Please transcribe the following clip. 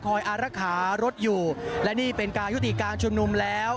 อารักษารถอยู่และนี่เป็นการยุติการชุมนุมแล้ว